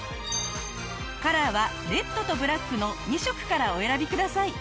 カラーはレッドとブラックの２色からお選びください。